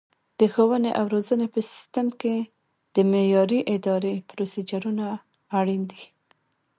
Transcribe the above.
د ښوونې او روزنې په سیستم کې د معیاري ادرایې پروسیجرونه اړین دي.